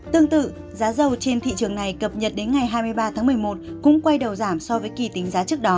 tương tự giá dầu trên thị trường này cập nhật đến ngày hai mươi ba tháng một mươi một cũng quay đầu giảm so với kỳ tính giá trước đó